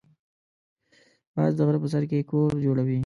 باز د غره په سر کې کور جوړوي